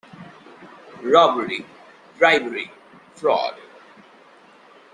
Robbery, bribery, fraud,